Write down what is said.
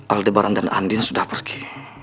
aldebaran dan andin sudah pergi